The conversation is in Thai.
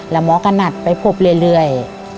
แล้วหมอก็นัดไปพบเรื่อย